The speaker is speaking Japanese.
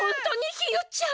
ひよちゃん。